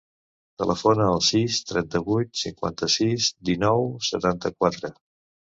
Telefona al sis, trenta-vuit, cinquanta-sis, dinou, setanta-quatre.